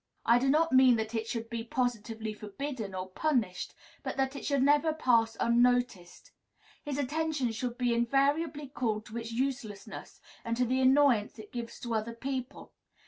I do not mean that it should be positively forbidden or punished, but that it should never pass unnoticed; his attention should be invariably called to its uselessness, and to the annoyance it gives to other people.